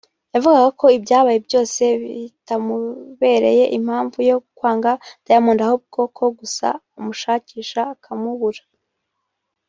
yavugaga ko ibyabaye byose bitamubereye impamvu yo kwanga Diamond ahubwo ko gusa amushakisha akamubura